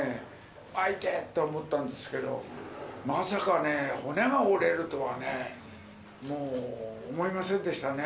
あ、いてと思ったんですけど、まさかね、骨が折れるとはね、もう思いませんでしたね。